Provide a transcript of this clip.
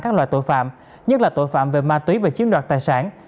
các loại tội phạm nhất là tội phạm về ma túy và chiếm đoạt tài sản